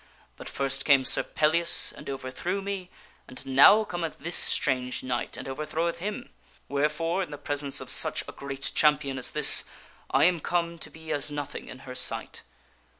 But first came Sir Pellias and overthrew me, and now cometh this strange knight and overthroweth him, wherefore, in the presence of such a great cham SIX GAWAINE AND THE LADY SUP TOGETHER 261 pion as this, I am come to be as nothing in her sight."